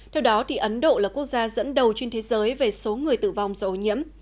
theo đó ấn độ là quốc gia dẫn đầu trên thế giới về số người tử vong do ổ nhiễm